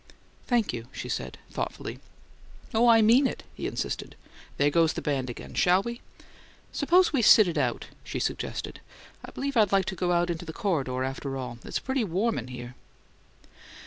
"Thank you," she said, thoughtfully. "Oh, I MEAN it," he insisted. "There goes the band again. Shall we?" "Suppose we sit it out?" she suggested. "I believe I'd like to go out in the corridor, after all it's pretty warm in here."